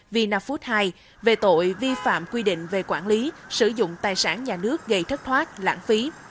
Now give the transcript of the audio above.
vinafood hai về tội vi phạm quy định về quản lý sử dụng tài sản nhà nước gây thất thoát lãng phí